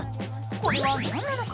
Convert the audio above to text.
これは何なのか？